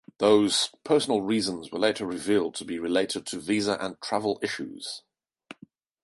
Those "personal reasons" were later revealed to be related to visa and travel issues.